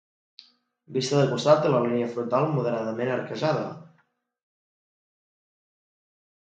Vista de costat, la línia frontal moderadament arquejada.